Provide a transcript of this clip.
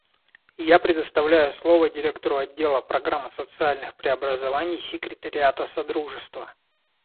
Я предоставляю слово Директору Отдела программ социальных преобразований Секретариата Содружества.